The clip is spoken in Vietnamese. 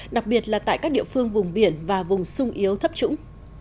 đặc biệt là tại các địa phương vùng biển và vùng sung yếu thấp trũng